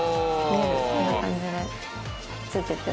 こんな感じでついていってます。